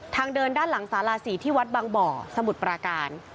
ทางเดินด้านหลังสารา๔ที่วัดบางบ่อสมุทรปราการ